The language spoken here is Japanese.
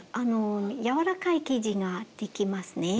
柔らかい生地ができますね。